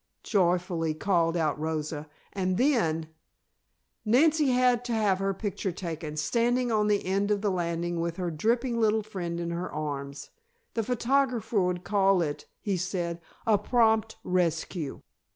joyfully called out Rosa, and then Nancy had to have her picture taken, standing on the end of the landing, with her dripping little friend in her arms. The photographer would call it, he said, "a prompt rescue."